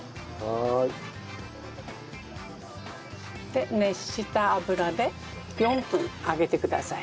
で熱した油で４分揚げてください。